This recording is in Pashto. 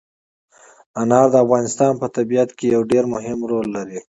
انار د افغانستان په طبیعت کې یو ډېر مهم رول لري.